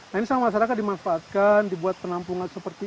nah ini sama masyarakat dimanfaatkan dibuat penampungan seperti ini